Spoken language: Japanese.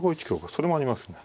それもありますね。